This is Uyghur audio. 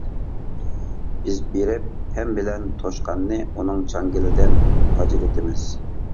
بىز بېرىپ پەم بىلەن توشقاننى ئۇنىڭ چاڭگىلىدىن ئاجرىتىمىز.